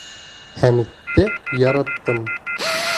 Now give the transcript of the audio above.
Хәмитте яраттым.